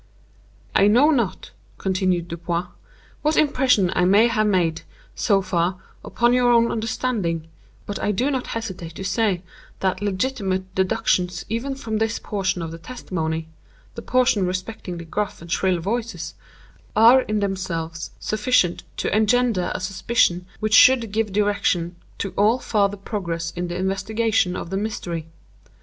"I know not," continued Dupin, "what impression I may have made, so far, upon your own understanding; but I do not hesitate to say that legitimate deductions even from this portion of the testimony—the portion respecting the gruff and shrill voices—are in themselves sufficient to engender a suspicion which should give direction to all farther progress in the investigation of the mystery.